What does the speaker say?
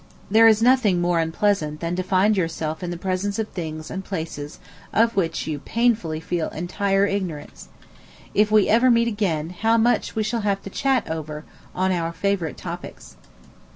There is nothing more unpleasant than to find yourself in the presence of things and places of which you painfully feel an entire ignorance. If ever we meet again, how much we shall have to chat over on our favorite topics!